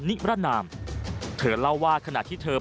มันกลับมาแล้ว